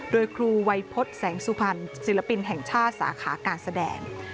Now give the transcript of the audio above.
โดยครูวัยพฤษแสงสุพรรณศิลปินแห่งชาติสาขาการแสดง